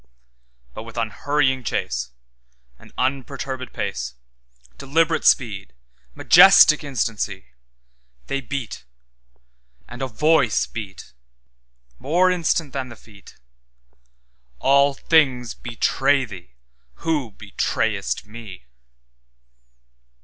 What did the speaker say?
But with unhurrying chase, And unperturbèd pace, Deliberate speed, majestic instancy, They beat—and a Voice beatMore instant than the Feet—'All things betray thee, who betrayest Me.